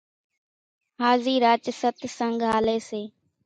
هازِي راچ ستسنڳ هاليَ سي۔